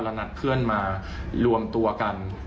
และนัดเพื่อนมารวมตัวกัน